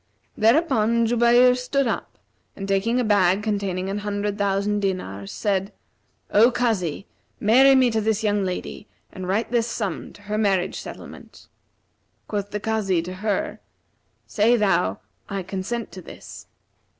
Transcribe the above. Thereupon Jubayr stood up and taking a bag containing an hundred thousand dinars, said, O Kazi, marry me to this young lady and write this sum to her marriage settlement.' Quoth the Kazi to her, 'Say thou, I consent to this.'